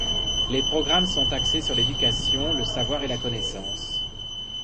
Les programmes sont axés sur l'éducation, le savoir et la connaissance.